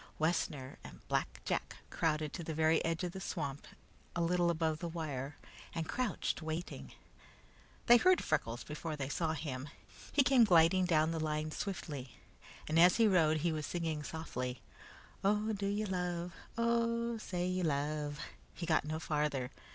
Wessner and Black Jack crowded to the very edge of the swamp a little above the wire, and crouched, waiting. They heard Freckles before they saw him. He came gliding down the line swiftly, and as he rode he was singing softly: "Oh, do you love, Oh, say you love " He got no farther.